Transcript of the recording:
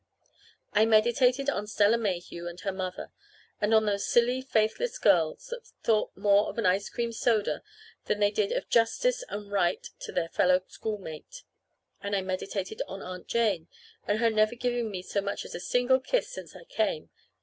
I meditated on Stella Mayhew and her mother, and on those silly, faithless girls that thought more of an ice cream soda than they did of justice and right to their fellow schoolmate. And I meditated on Aunt Jane and her never giving me so much as a single kiss since I came.